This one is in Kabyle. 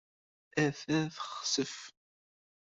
Attan texsef.